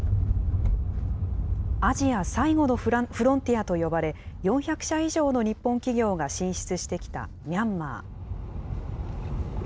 アジア最後のフロンティアと呼ばれ、４００社以上の日本企業が進出してきたミャンマー。